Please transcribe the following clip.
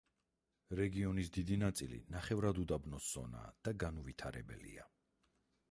რეგიონის დიდი ნაწილი ნახევრად უდაბნოს ზონაა და განუვითარებელია.